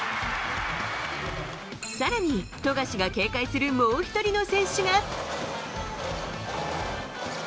更に、富樫が警戒するもう１人の選手が。